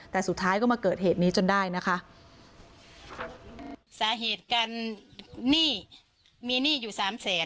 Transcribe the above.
แต่สุดท้ายก็มาเกิดเหตุนี้จนได้นะคะสาเหตุการหนี้มีหนี้อยู่สามแสน